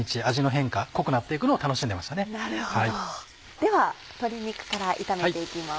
では鶏肉から炒めていきます。